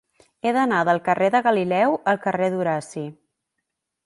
He d'anar del carrer de Galileu al carrer d'Horaci.